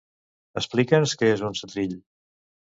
Explica'ns què és un setrill.